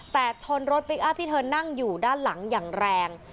แต่ชนรถพลิกอัพที่เธอนั่งอยู่ด้านหลังอย่างแรง